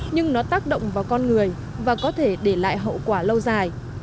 nhưng nó tác động vào con người và có thể để lại hậu quả lâu dài